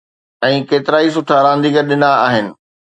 ۽ ڪيترائي سٺا رانديگر ڏنا آهن.